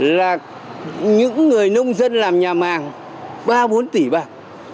là những người nông dân làm nhà màng ba bốn tỷ bạc